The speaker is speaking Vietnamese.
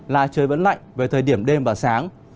là trời vẫn lạnh về thời điểm đêm và sáng